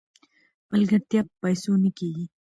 ملګرتیا په پیسو نه کیږي.